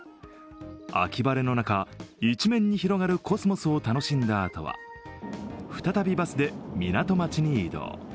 秋晴れの中、一面に広がるコスモスを楽しんだあとは、再びバスで港町に移動。